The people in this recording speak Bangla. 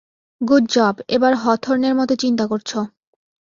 গুডজব, এবার হথর্নের মতো চিন্তা করছো।